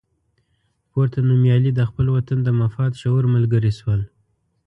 پورته نومیالي د خپل وطن د مفاد شعور ملګري شول.